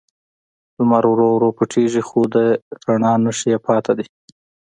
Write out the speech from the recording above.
لمر ورو ورو پټیږي، خو د رڼا نښې یې پاتې وي.